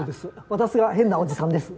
私が変なおじさんです。